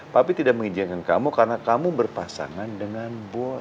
papi tidak mengizinkan kamu karena kamu berpasangan dengan boy